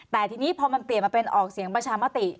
แต่ทีนี้พอมันเปลี่ยนมาเป็นออกเสียงประชามติ